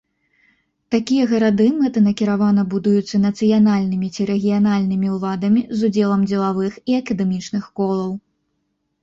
Такія гарады мэтанакіравана будуюцца нацыянальнымі ці рэгіянальнымі ўладамі з удзелам дзелавых і акадэмічных колаў.